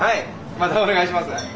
またお願いします。